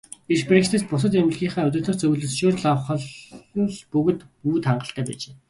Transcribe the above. Эрх баригчдаас бус, эмнэлгийнхээ удирдах зөвлөлөөс зөвшөөрөл авах нь л доктор Вүд хангалттай байжээ.